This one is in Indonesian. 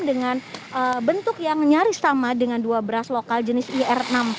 dengan bentuk yang nyaris sama dengan dua beras lokal jenis ir enam puluh